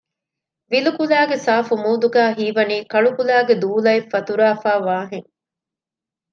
ވިލުކުލައިގެ ސާފު މޫދުގައި ހީވަނީ ކަޅުކުލައިގެ ދޫލައެއް ފަތުރައިފައިވާހެން